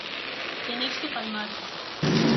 Tenéis que calmaros.